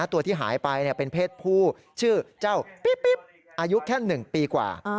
ตัวที่หายไปเป็นเพศผู้ชื่อเจ้าปิ๊บอายุแค่๑ปีกว่า